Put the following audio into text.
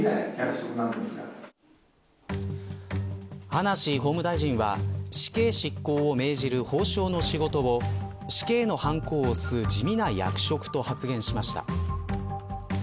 葉梨法務大臣は死刑執行を命じる法相の仕事を死刑のはんこを押す地味な役職と発言しました。